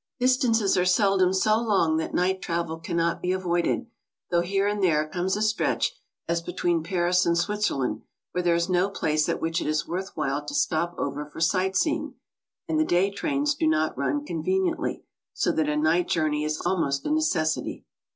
Distances are seldom so long that night travel cannot be avcided, though here and there comes a stretch, as between Paris and Switzerland, where there is no place at which it is worth while to stop over for sight seeing, and the day trains do not run conveniently, so that a night journey is almost a necessity.